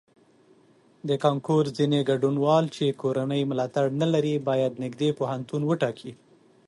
د کانکور ځینې ګډونوال چې کورنی ملاتړ نه لري باید نږدې پوهنتون وټاکي.